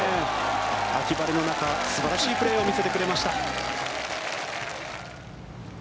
秋晴れの中素晴らしいプレーを見せてくれました。